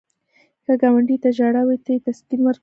که ګاونډي ته ژړا وي، ته یې تسکین ورکړه